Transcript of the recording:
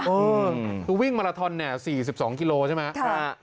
เออคือวิ่งมาลาทอน๔๒กิโลเมตรใช่ไหม